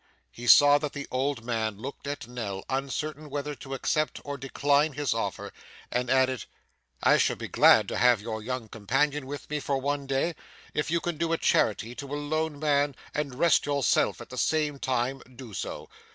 He saw that the old man looked at Nell, uncertain whether to accept or decline his offer; and added, 'I shall be glad to have your young companion with me for one day. If you can do a charity to a lone man, and rest yourself at the same time, do so.